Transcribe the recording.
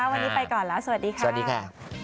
วันนี้ไปก่อนแล้วสวัสดีค่ะ